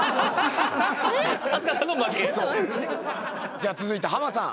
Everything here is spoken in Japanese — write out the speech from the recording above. じゃあ続いてハマさん。